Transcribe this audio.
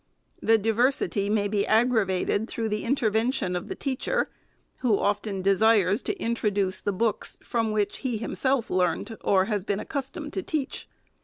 The diversity may be ag gravated through the intervention of the teacher, who often desires to introduce the books from which he, him self, learnt, or has been accustomed to teach.